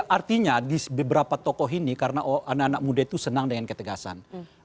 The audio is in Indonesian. artinya di beberapa tokoh ini karena anak anak muda itu senang dengan ketegasan